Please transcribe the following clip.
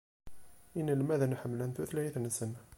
Inelmaden ḥemmlen tutlayt-nsen.